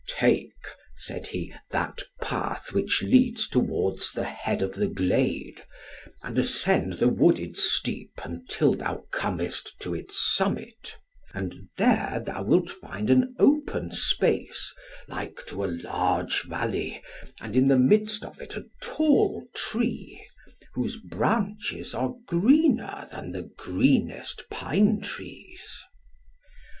'Take,' said he, 'that path that leads towards the head of the glade, and ascend the wooded steep, until thou comest to its summit; and there thou wilt find an open space, like to a large valley, and in the midst of it a tall tree, whose branches are greener than the greenest pine trees.